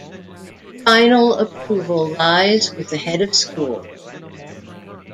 Final approval lies with the Head of School.